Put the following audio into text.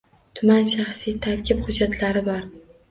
Tuman shaxsiy tarkib hujjatlari bor.